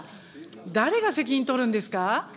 誰が責任取るんですか。